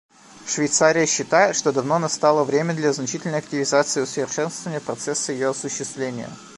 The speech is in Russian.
Швейцария считает, что давно настало время для значительной активизации и усовершенствования процесса ее осуществления.